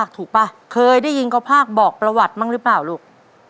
ป่ะเคยได้ยินเขาภาคบอกประวัติบ้างหรือเปล่าลูก